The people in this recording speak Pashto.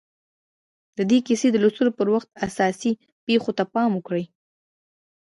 د دې کيسې د لوستلو پر وخت اساسي پېښو ته پام وکړئ.